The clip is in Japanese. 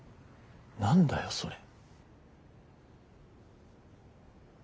何だよそれ。